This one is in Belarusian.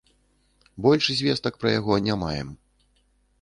Больш звестак пра яго не маем.